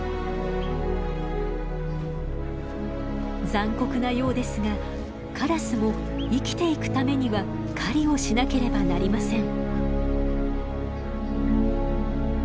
残酷なようですがカラスも生きていくためには狩りをしなければなりません。